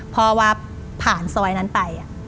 พอวากผ่านซอยนั้นไป